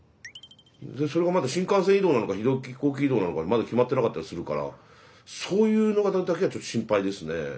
でそれがまだ新幹線移動なのか飛行機移動なのかまだ決まってなかったりするからそういうのだけはちょっと心配ですね。